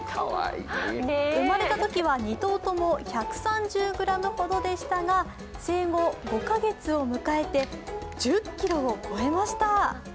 うまれたときは２頭とも１３０ｇほどでしたが生後５カ月を迎えて、１０ｋｇを超えました。